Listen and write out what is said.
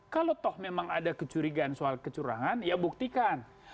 kalau toh memang ada kecurigaan soal kecurangan ya buktikan